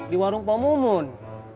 di warung poh mumun